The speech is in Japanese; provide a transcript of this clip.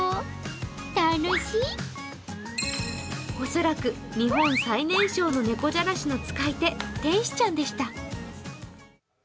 恐らく日本最年少の猫じゃらしの使い手天使ちゃんでした。